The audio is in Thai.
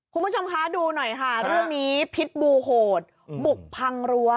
คุณผู้ชมคะดูหน่อยค่ะเรื่องนี้พิษบูโหดบุกพังรั้ว